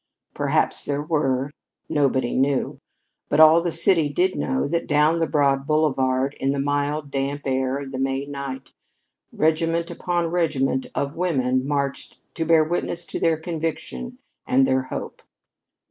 Perhaps there were. Nobody knew. But all the city did know that down the broad boulevard, in the mild, damp air of the May night, regiment upon regiment of women marched to bear witness to their conviction and their hope.